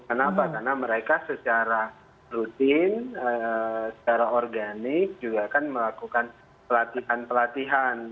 kenapa karena mereka secara rutin secara organik juga kan melakukan pelatihan pelatihan